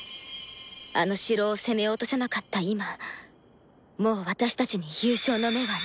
あの城を攻め落とせなかった今もう私たちに優勝の目はない。